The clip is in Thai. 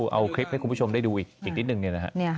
เอาคลิปให้คุณผู้ชมได้ดูอีกนิดนึงเนี่ยนะฮะ